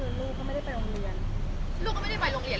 ซึ่งมันอาจจะเป็นเพราะว่าจากการเรียกว่าอะไรอ่ะค่ะ